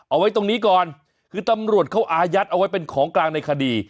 เอาไว้ตรงนี้ก่อนคือตำรวจเขาอายัดเอาไว้เป็นของกลางในคดี